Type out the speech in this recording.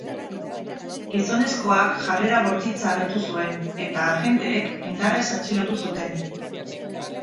Gizonezkoak jarrera bortitza agertu zuen eta agenteek indarrez atxilotu zuten.